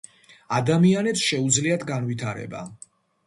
ადამიანებს შეუძლიათ განვითრება